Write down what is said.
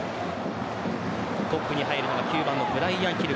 トップに入るのは９番のブライアン・ヒル。